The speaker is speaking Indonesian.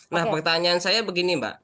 nah pertanyaan saya begini mbak